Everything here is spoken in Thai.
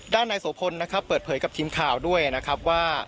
นายโสพลนะครับเปิดเผยกับทีมข่าวด้วยนะครับว่า